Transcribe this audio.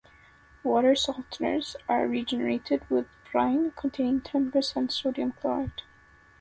Water softeners are regenerated with brine containing ten percent sodium chloride.